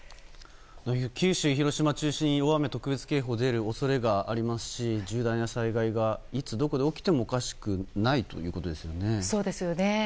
九州、広島中心に大雨特別警報が出る恐れがありますし重大な災害がいつ、どこで起きてもおかしくないということですね。